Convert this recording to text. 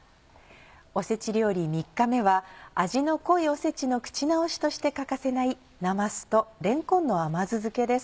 おせち料理３日目は味の濃いおせちの口直しとして欠かせないなますとれんこんの甘酢漬けです。